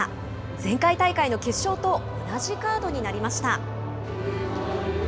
前回大会の決勝と同じカードになりました。